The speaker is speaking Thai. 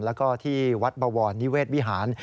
แล้วก็ที่วัดบวรนิเวศวิหาร